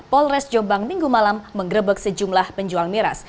polres jombang minggu malam menggerebek sejumlah penjual miras